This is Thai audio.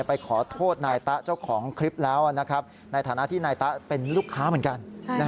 ไปขอโทษนายตะเจ้าของคลิปแล้วในฐานะที่นายตะเป็นลูกค้าเหมือนกัน